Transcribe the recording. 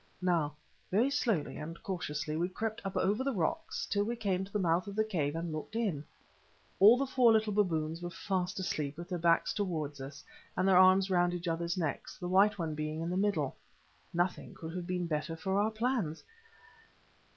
Now very slowly and cautiously we crept up over the rocks till we came to the mouth of the cave and looked in. All the four little baboons were fast asleep, with their backs towards us, and their arms round each other's necks, the white one being in the middle. Nothing could have been better for our plans.